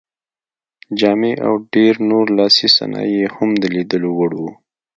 جامې او ډېر نور لاسي صنایع یې هم د لیدلو وړ وو.